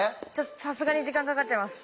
さすがに時間かかっちゃいます。